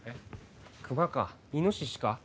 クマかイノシシか？